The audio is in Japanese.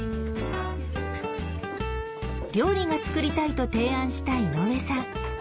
「料理が作りたい」と提案した井上さん。